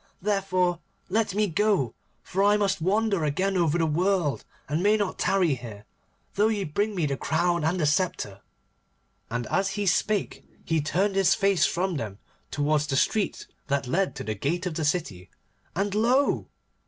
Therefore, let me go, for I must wander again over the world, and may not tarry here, though ye bring me the crown and the sceptre.' And as he spake he turned his face from them towards the street that led to the gate of the city, and lo!